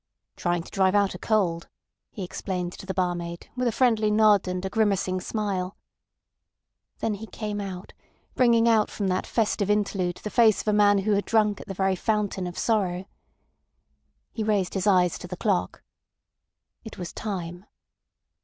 "Trying to drive out a cold," he explained to the barmaid, with a friendly nod and a grimacing smile. Then he came out, bringing out from that festive interlude the face of a man who had drunk at the very Fountain of Sorrow. He raised his eyes to the clock. It was time.